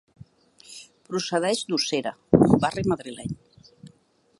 Procedeix d'Usera, un barri madrileny.